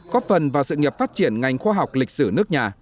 góp phần vào sự nghiệp phát triển ngành khoa học lịch sử nước nhà